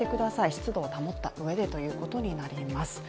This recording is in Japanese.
湿度を保ったうえでということになります。